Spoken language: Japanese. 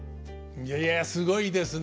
いやいやすごいですね。